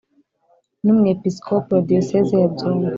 N umwepisikopi wa diyosezi ya byumba